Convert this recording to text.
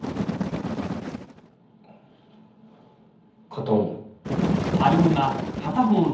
片思い。